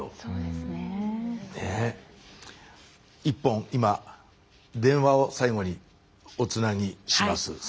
一本今電話を最後におつなぎします。